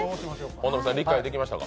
本並さん、理解できましたか？